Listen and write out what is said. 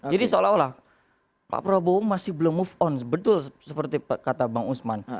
jadi seolah olah pak prabowo masih belum move on betul seperti kata bang usman